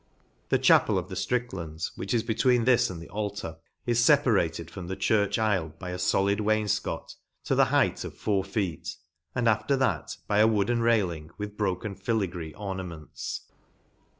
The chapel of the Stricklands, which is between this and the altar, is fepa rated from the church aifle by a folid wain fcot, to the height of four feet, and after that by a wooden railing with broken filla gree ornaments.